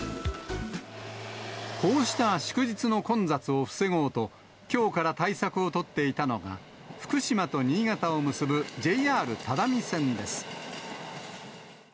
こうした祝日の混雑を防ごうと、きょうから対策を取っていたのが、福島と新潟を結ぶＪＲ只見線です。